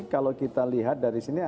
kalau kita lihat dari sini